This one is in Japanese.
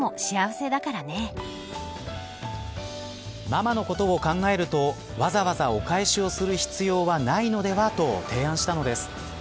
ママのことを考えるとわざわざお返しをする必要はないのではと提案したのです。